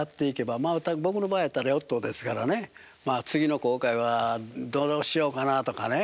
僕の場合やったらヨットですからね次の航海はどうしようかなとかね。